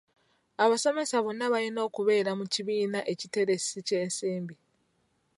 Abasomesa bonna balina okubeera mu kibiina ekiteresi ky'ensimbi.